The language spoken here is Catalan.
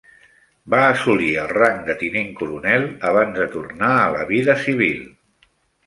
Va assolir el rang de tinent coronel abans de tornar a la vida civil.